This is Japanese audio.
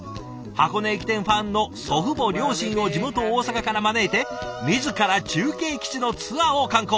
箱根駅伝ファンの祖父母両親を地元大阪から招いて自ら中継基地のツアーを敢行。